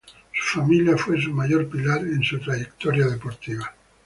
Su familia fue su mayor pilar en su trayectoria deportiva.